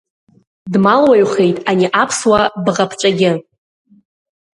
Дмалуаҩхеит ани аԥсуа бӷаԥҵәагьы…